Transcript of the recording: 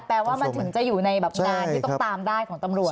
แปลว่ามันถึงจะอยู่ในการตามได้ของตำรวจ